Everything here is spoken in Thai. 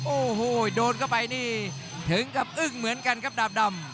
โอ้โหโดนเข้าไปนี่ถึงกับอึ้งเหมือนกันครับดาบดำ